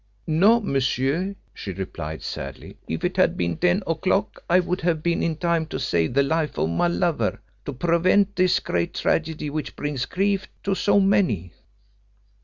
"No, monsieur," she replied sadly. "If it had been ten o'clock I would have been in time to save the life of my lover to prevent this great tragedy which brings grief to so many."